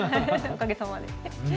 おかげさまで。